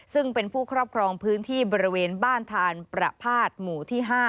ซึ่งเป็นผู้ครอบครองพื้นที่บริเวณบ้านทานประพาทหมู่ที่๕